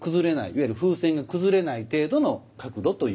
いわゆる風船が崩れない程度の角度ということになります。